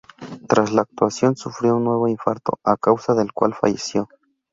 Tras la actuación sufrió un nuevo infarto, a causa del cual falleció.